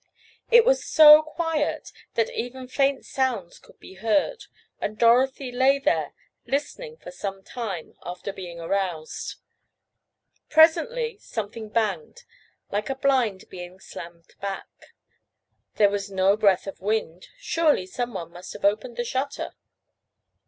It was so quiet that even faint sounds could be heard, and Dorothy lay there listening for some time, after being aroused. Presently something banged—like a blind being slammed back. There was no breath of wind—surely someone must have opened the shutter!